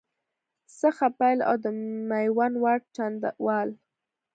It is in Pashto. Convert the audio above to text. څخه پیل او د میوند واټ، چنداول